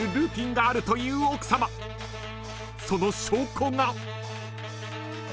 ［その証拠が］